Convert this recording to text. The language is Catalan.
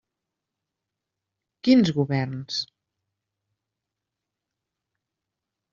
Quins governs?